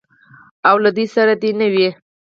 او له دوی سره دې نه وي.